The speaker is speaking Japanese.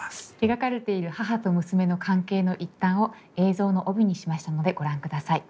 描かれている母と娘の関係の一端を映像の帯にしましたのでご覧ください。